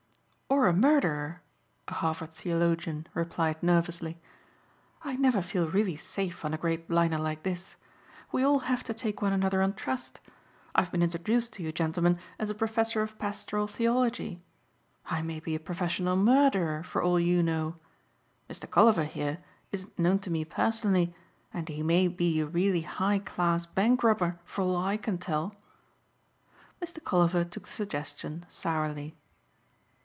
"Or a murderer," a Harvard theologian replied nervously. "I never feel really safe on a great liner like this. We all have to take one another on trust. I have been introduced to you gentlemen as a professor of pastoral theology. I may be a professional murderer for all you know. Mr. Colliver here isn't known to me personally and he may be a really high class bank robber for all I can tell." Mr. Colliver took the suggestion sourly.